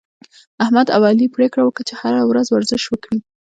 احمد او علي پرېکړه وکړه، چې هره ورځ ورزش وکړي